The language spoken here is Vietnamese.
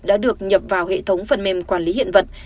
đã được nhập vào hệ thống phần mềm quản lý hiện vật